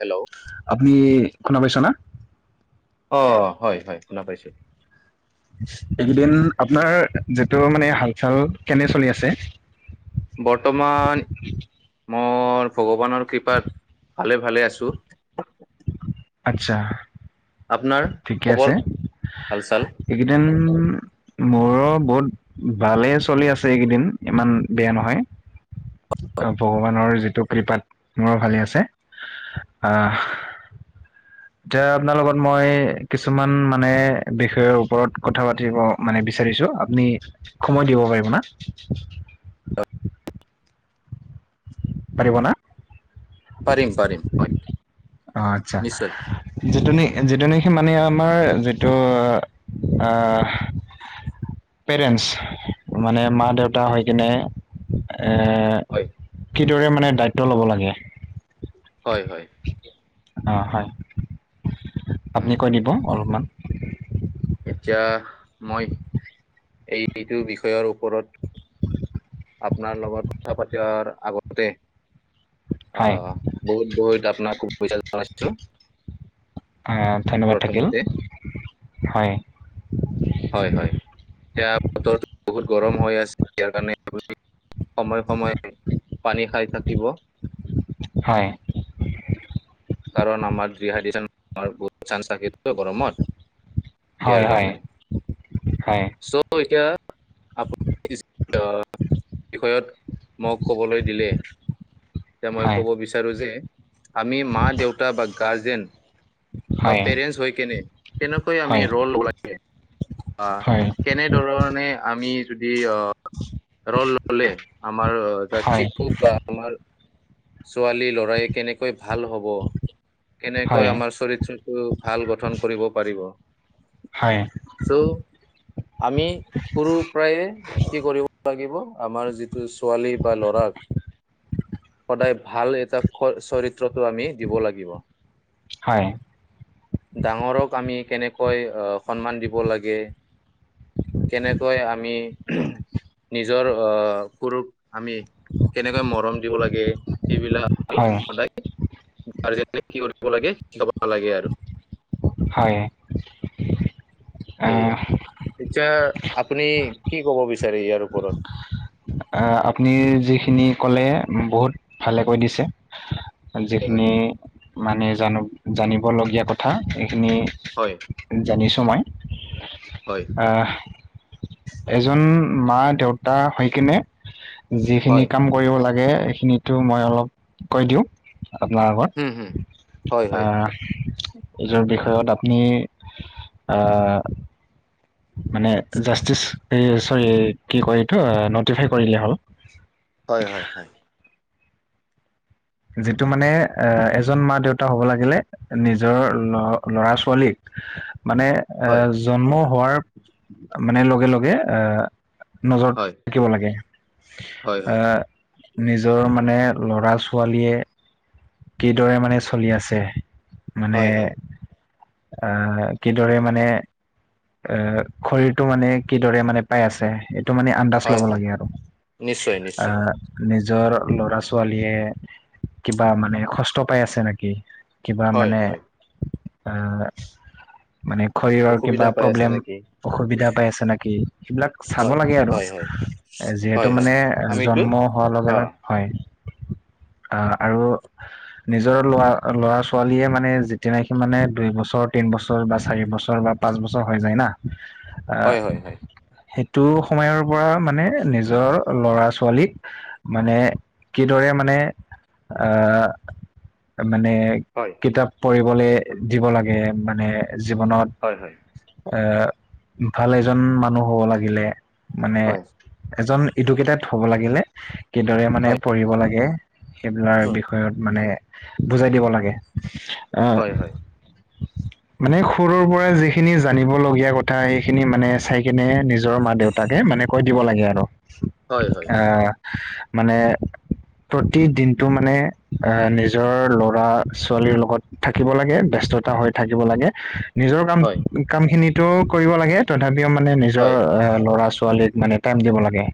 Hello. আপুনি, শুনা পাইছ না? অ', হয়, হয় শুনা পাইছোঁ। এইকেইদিন আপোনাৰ যিটো মানে হাল চাল কেনে চলি আছে? বৰ্তমান মোৰ ভগৱানৰ কৃপাত ভালে, ভালে আছোঁ। আচ্ছা। আপোনাৰ ঠিকে আছে। খবৰ হাল চাল এইকেইদিন মোৰো বহুত ভালেই চলি আছে, এইকেইদিন ইমান বেয়া নহয়। আহ, ভগৱানৰ যিটো কৃপাত মোৰ ভালে আছে, আহ। এতিয়া আপোনাৰ লগত মই কিছুমান মানে বিষয়ৰ ওপৰত কথা পাতিব মানে বিচাৰিছোঁ, আপুনি সময় দিব পাৰিব ন? পাৰিব না? পাৰিম- পাৰিম হয়। অ, আতচ্ছা। নিশ্চয় যিটো- যিটো নেকি, যিটো মানে আমাৰ যিটো আহ পেৰেণ্টছ মানে মা- দেউতা হৈ কিনে হয় কিদৰে মানে দায়িত্ব ল'ব লাগে? হয়- হয়। হয়, উম আপুনি কৈ দিব অলপ মান। এতিয়া মই, এই যিটো বিষয়ৰ ওপৰত আপোনাৰ লগত পথা পাতিৰ আগতে অ, হয় বহুত- বহুত আপোনাক শুভেচ্ছা জনাইছো। ধনৈবাদ থাকিল, প্ৰথমতে হয়। হয়- হয়, এতিয়া বতৰ বহুত গৰম হৈ আছে ইয়াৰ কাৰণে। সময়ে- সময়ে পানী খাই থাকিব। হয়। কাৰণ আমাৰ ডিহাইড্ৰন হোৱাৰ বহুত চানস থাকে ন গৰমত। হয় ইয়াৰ হয় কাৰণে, হয় চৌ' এতিয়া এই বিষয়ত মোক ক'বলৈ দিলে। মই হয় ক'ব বিচাৰোঁ যে, আমি দেউতা বা গাৰ্জেন বা হয় হয় পেৰেন্টচ হৈ কেনে কেনেকৈ হয় আমি ৰল লাগে। হয় কেনে ধৰণে আমি যদি অ ৰল ল'লে আমাৰ যাক হয় শিক্ষক বা আমাৰ ছোৱালী ল'ৰাই কেনেকৈ ভাল হ'ব, হয় কেনেকৈ আমাৰ চৰিত্ৰত ভাল গঠন কৰিব পাৰিব। হয়। চ' আমি সৰু পৰায়ে কি কৰিব লাগিব, আমাৰ যিটো ছোৱালী বা ল'ৰাক সদায় ভাল এটা চৰিত্ৰটো আমি দিব লাগিব। হয় ডাঙৰক আমি কেনেকৈ সন্মান দিব লাগে। কেনেকৈ‌ আমি নিজৰ কূৰূপ আমি কেনেকৈ মৰম দিব লাগে, সেইবিলাক হয় সদায় গাৰ্জেনে কি কৰিব লাগে, কি হ'ব নালাগে আৰু। হয়। আহ এতিয়া আপুনি কি কব বিচাৰে ইয়াৰ ওপৰত? আহ, আপুনি যিখিনি কলে বহুত ভালে কৈ দিছে। হয় যিখিনি মানে জানো- জানিবলগীয়া কথা। সেইখিনি হয় জানিছো মই। হয় আহ এজন মা- দেউতা হৈ কিনে যিখিনি হয় কাম কৰিব লাগে এইখিনিতো মই অলপ কৈ দিওঁ আপোনাৰ আগত। হয় হয় হয় আহ এইটোৰ বিষয়ত আপুনি আহ, মানে জাচটিচ চৰি কি কয় এইটো নটিফাই কৰিলে হ'ল। হয়, হয়, হয়। যিটো মানে এজন মা দেউতা হ'ব লাগিলে নিজৰ ল-ল'ৰা ছোৱালীক মানে এ হয় জন্ম হোৱাৰ মানে লগে লগে এ নজৰ হয়, থাকিব লাগে। হয়, এ হয়, নিজৰ মানে ল'ৰা-ছোৱালীয়ে কিদৰে মানে চলি আছে, মানে হয়, হয়, আহ কিদৰে মানে অ শৰীৰটো মানে কিদৰে মানে পাই আছে এইটো মানে আন্দাজ হয়, ল'ব হয়, লাগে আৰু নিশ্চয়, আ নিশ্চয়, নিজৰ ল'ৰা-ছোৱালীয়ে কিবা মানে কষ্ট পাই আছে নেকি কিবা হয়, মানে হয়, আ মানে শৰীৰৰ কিবা অসুবিধা পাই আছে প্ৰব্লেম নেকি? অসুবিধা পাই আছে নেকি সেইবিলাক চাব হয়, লাগে আৰু, হয়, হয়, যিহেতু হয়, হয়, মানে আমিতো জন্ম হোৱাৰ লগে লগ অ', হয়, আ হয়, আৰু নিজৰ ল'ৰা-ল'ৰা ছোৱালীয়ে মানে যেতিয়া নেকি মানে দুই বছৰ, তিন বছৰ বা চাৰিবছৰ বা পাঁচ বছৰ হৈ যায় না, হয়, হয়, হয়, সেই টো সময়ৰ পৰা মানে নিজৰ ল'ৰা ছোৱালীক মানে কিদৰে মানে অ মানে হয়। কিতাপ পঢ়িবলৈ দিব লাগে মানে জীৱনত হয় হয়। এ ভাল এজন মানুহ হ'ব লাগিলে মানে হয়, এজন এডুকেটেড হ'ব লাগিলে কিদৰে মানে হয়, পঢ়িব লাগে সেইবিলাৰ বিষয়ে মানে বুজাই দিব লাগে। আহ হয়, হয়, হয়, মানে সৰুৰ পৰা যিখিনি জানিব লগীয়া কথা সেইখিনি মানে চাই কিনে নিজ নিজৰ মাক দেউতাকে মানে কৈ দিব লাগে আৰু। হয়, হয়, হয়, হয়, হয়, হয়, হয়, আ হয়, হয়, হয়, হয়, মানে প্ৰতিদিনটো মানে আহ নিজৰ ল'ৰা ছোৱালীৰ লগত থাকিব লাগে ব্যস্ততা হৈ থাকিব লাগে। নিজৰ কাম, হয়, হয়, হয়, হয়, হয়, কাম খিনিতোও কৰিব লাগে তথাপিও মানে নিজৰ ল'ৰা-ছোৱালীক মানে টাইম দিব লাগে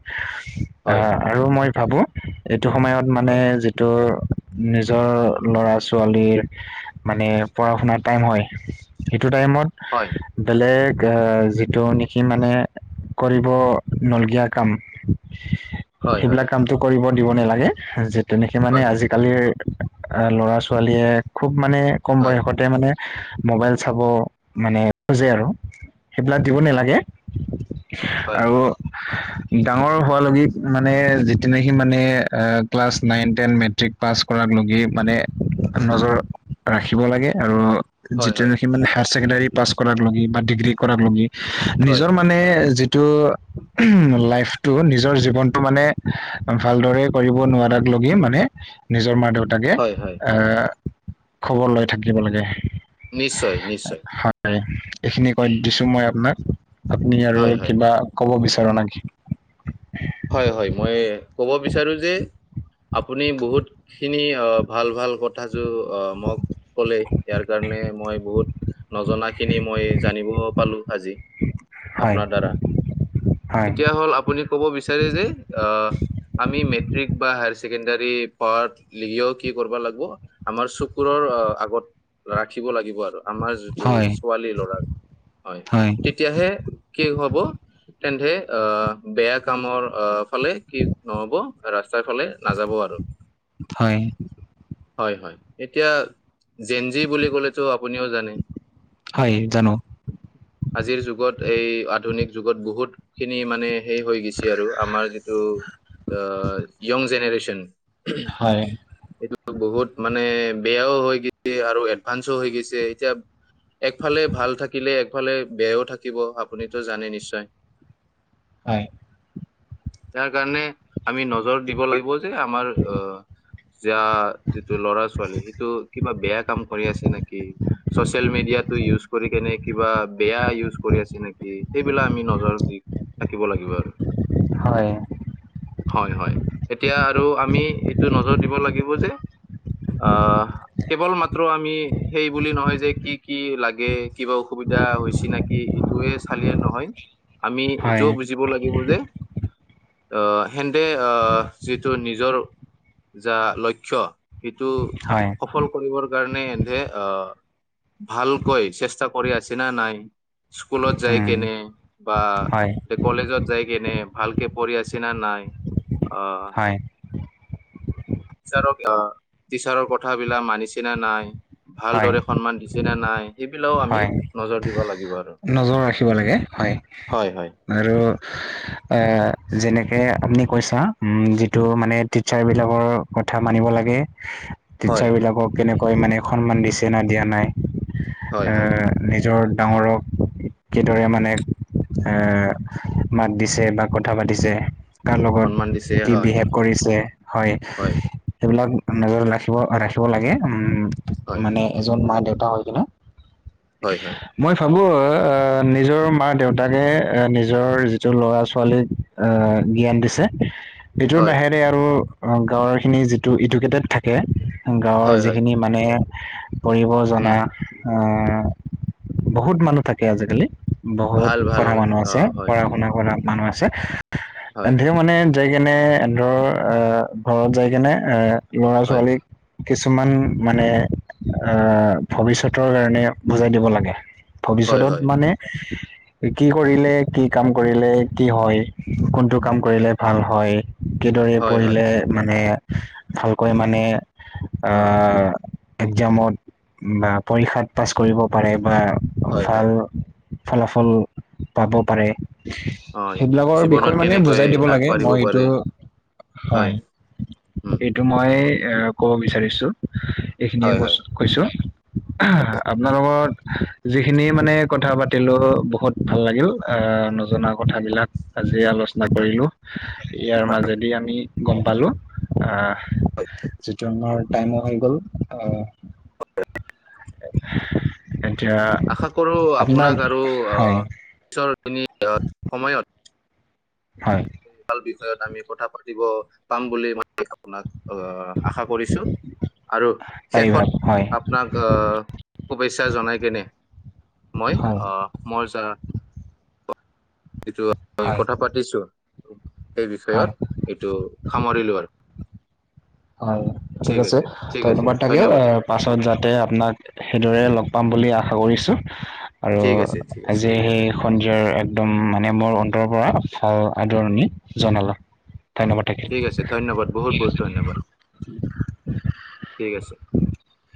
অ আৰু মই ভাবো এইটো সময়ত মানে যে তোৰ নিজৰ ল'ৰা-ছোৱালীৰ মানে পঢ়া-শুনাৰ টাইম হয়, সেইটো টাইমত হয়। বেলেগ যিটো নেকি মানে কৰিব নলগীয়া কাম সেইবিলাক কামতটো কৰিব দিব নালাগে। যিটো নেকি মানে আজি আজিকালিৰ ল'ৰা-ছোৱালীয়ে খুব মানে কম বয়সতে মানে মোবাইল চাব মানে খোজে আৰু সেইবিলাক দিব নালাগে। আৰু ডাঙৰ হোৱালকি মানে যিতি সি মানে ক্লাছ নাইন-টেইন মে মেট্ৰিক পাছ কৰাক লগে মানে নজৰ ৰাখিব লাগে আৰু যিটো হয়, নেকি মানে হায়াৰ ছেকেণ্ডাৰী পাছ কৰাৰ লগি বা ডিগ্ৰী কৰাৰ লগে হয়, নিজৰ মানে যিটো উমহ' লাইফটো নিজৰ জীৱনটো মানে ভালদৰে কৰিব নোৱাৰাক লগি মানে- নিজৰ মা দেউতাকে হয়, হয়, আঁহ খবৰ লৈ থাকিব লাগে। নিশ্চয় নিশ্চয়। এইখিনি কৈ দিছোঁ মই আপুনাক, আপুনি আৰু হয়, হয়, কব বিচাৰ নেকি? হয় হয়, মই ক'ব বিচাৰোঁ যে- আপুনি বহুত খিনি অঁ ভাল ভাল কথ- কথাটো অ মোক কলে, ইয়াৰ কাৰণে মই বহুত- নজনাখিনি মই জানিব পালোঁ আজি। হয় আপোনাৰ দ্বাৰা। হয় এতিয়া হ'ল আপুনি কব বিচাৰে যে, আঁহ- আমি মেট্ৰিক বা হায়াৰ ছেকেণ্ডাৰী পাৰ লিগিও কি কৰিব লাগিব? আমাৰ চকুৰৰ অ আগত ৰাখিব লাগিব আৰু। আমাৰ যিটো হয় ছোৱালী ল'ৰা হয়। তেতিয়াহে কি হব? তেন্তে অ বেয়া- কামৰ অ ফালে কি নহ'ব? ৰাস্তাৰ ফালে নাযাব আৰু। হয়। হয় হয়, এতিয়া জেনজি বুলি ক'লেতো আপুনিও জানে। হয়, জানো। আজিৰ যুগত এই আধুনিক যুগত বহুত খিনি মানে সেই হৈ- গৈছে আৰু আমাৰ যিটো য়ং জেনেৰেচন। হয়। এইটো বহুত মানে বেয়াও হৈ গৈছে আৰু এডভান্সোও হৈ গৈছে। এতিয়া- একফালে ভাল থাকিলে একফালে বেয়াও থাকিব, আপুনিটো জানে নিশ্চয়। হয়। তাৰ কাৰণে আমি নজৰ দিব লাগিব যে আমাৰ অহ- যা যিটো ল'ৰা ছোৱালী সেটো কিবা বেয়া কাম কৰি আছে নেকি? ছ'চিয়েল মিডিয়াটো ইউজ কৰি কিনে কিবা বেয়া ইউজ কৰি আছে নেকি? সেইবিলাক আমি নজৰ দি- থাকিব লাগিব আৰু। হয়। হয় হয়, এতিয়া আৰু আমি এইটো নজৰ দিব লাগিব যে আঁহ- কেৱল মাত্ৰ আমি সেই বুলি নহয় যে কি কি লাগে কিবা অসুবিধা হৈছে নে কি? সেইটোয়ে ছালে নহয়, আমি হয়, এইটোও বুজিব লাগিব যে- অহ হেন্তে আহ যিটো নিজৰ যা লক্ষ্য যিটো- হয়, সফল কৰিবৰ- কাৰণে এন্দে অঁ ভালকৈ চেষ্টা কৰি আছে না নাই? স্কুলত যাই উম, কেনে বা হয়, কলেজত যাই কেনে। ভালকে পঢ়ি আছে না নাই? অঁ। হয়। টিচাৰক অঁ টিচাৰৰ কথাবিলাক মানিছে নে নাই হয়, ভালদৰে সন্মান দিছে নে নাই? সেইবিলাকও আমি হয়, নজৰ দিব লাগিব আৰু নজৰ ৰাখিব লাগে হয়। হয় হয় আৰু এ যেনেকে আপুনি কৈছা, উম যিটো মানে টিচাৰ বিলাকৰ- কথা মানিব লাগে, - হয় টিচাৰ বিলাকক কেনেকৈ মানে সন্মান দিছে না দিয়া নাই। হয় হয় এঁ নিজৰ ডাঙৰক- কিদৰে মানে এঁ মাত দিছে বা কথা পাতিছে- কাৰ সন্মান লগত দিছে কি হয় বিহেভ কৰিছে, হয়। সেইবিলাক নজৰ ৰাখিব ৰাখিব লাগে উম হয় মানে এজন মা দেউতা হৈ কিনে হয় হয় মই ভাবো আহ এ নিজৰ মা দেউতাকেহে নিজৰ যিটো লৰা ছোৱালীক আহ জ্ঞান দিছে এইটোৰ হয় বাহিৰে আৰু অ গাঁৱৰ খিনি যিটো ইডুকেটেড থাকে গাঁৱৰ হয় হয় যিখিনি মানে পঢ়িব জনা উম আ বহুত মানুহ থাকে আজিকালি বহুত ভাল ভাল পঢ়া মানুহ অ আছে হয় পঢ়া শুনা কৰা মানুহ আছে তে হয় ধে মানে যাই কেনে এধৰ আ ঘৰত যাইকনে এ ল'ৰা হয় ছোৱালীক কিছুমান মানে আহ ভৱিষ্যত তৰ কাৰণে বুজাই দিব লাগে হয় হয় ভৱিষ্যতত মানে কি কৰিলে কি কাম কৰিলে কি হয় কোনটো কাম কৰিলে ভাল হয় কিদৰে হয়, হয়। পঢ়িলে মানে ভালকৈ মানে অ, আহ একজামত বা পৰীক্ষাত পাছ কৰিব পাৰে বা হয়, হয়। ভাল ফলাফল পাব পাৰে হয়, সেইবিলাকৰ জীৱনত বিষয়ে মানে কেনেকৈ বুজাই দিব লাগে আগবাঢ়িব মই এইটো পাৰে। হয় উম এইটো মই এ ক'ব বিচাৰিছো এইখিনিয়ে হয়, কৈছ হয়। কৈছো আপোনাৰ লগত যিখিনি মানে কথা পাতিলোঁ বহুত ভাল লাগিল আহ নজনা কথাবিলাক আজিয়ে আলোচনা কৰিলোঁ ইয়াৰ মাজেদি আমি গম পালোঁ আহ যিটো আমাৰ টাইমৰ হৈ গ'ল আহ [inaudible] আশা কৰো আপোনাক আৰু আহ হয় পিছৰ খিনি অ সময়ত হয় ভাল বিষয়ত আমি কথা পাতিব পাম বুলি ম আপোনাক আহ আশা কৰিছো আৰু পাৰিবা শেষত হয় আপনাক আহ শুভেচ্ছা জনাই কিনে মই হয় অ মই য যিটো হয় কথা পাতিছো সেই হয় বিষয়ত এইটো সামৰিলো আৰু হয় ঠিক আছে ধন্যবাদ থাকিল আহ পাছত যাতে আপোনাক সেইদৰে লগ পাম বুলি আশা কৰিছো আৰু ঠিক আছে, ঠিক আছে। আজি হেই সন্ধিয়াৰ একদম মানে মোৰ অন্তৰৰ পৰা ভাল আদৰণি জনালো ধন্যবাদ থাকিল। ঠিক আছে ধন্যবাদ বহুত বহুত ধন্যবাদ ঠিক আছে উ [unintelligible]